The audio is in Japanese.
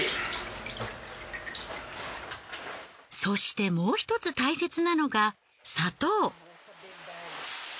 そしてもう１つ大切なのが砂糖。